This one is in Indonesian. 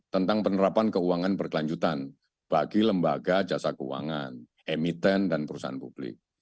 tentang penerapan keuangan berkelanjutan bagi lembaga jasa keuangan emiten dan perusahaan publik